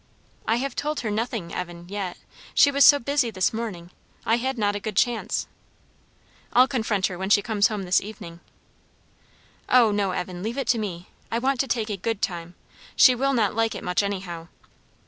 "I have told her nothing, Evan, yet. She was so busy this morning, I had not a good chance." "I'll confront her when she comes home this evening." "O no, Evan; leave it to me; I want to take a good time. She will not like it much anyhow."